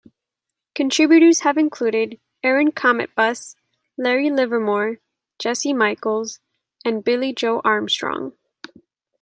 Contributors have included Aaron Cometbus, Larry Livermore, Jesse Michaels, and Billie Joe Armstrong.